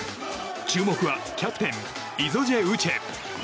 注目はキャプテン、イゾジェ・ウチェ。